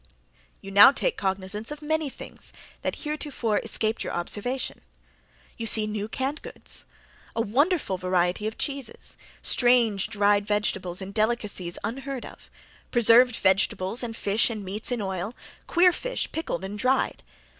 You now take cognizance of many things that heretofore escaped your observation. You see new canned goods; a wonderful variety of cheeses; strange dried vegetables and delicacies unheard of; preserved vegetables and fish and meats in oil; queer fish pickled and dried.